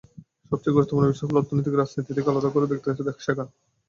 সবচেয়ে গুরুত্বপূর্ণ বিষয় হলো, অর্থনীতিকে রাজনীতি থেকে আলাদা করে দেখতে শেখা।